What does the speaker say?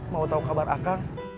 mau tahu kabar akang